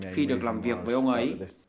khi được làm việc với ông ấy